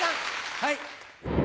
はい。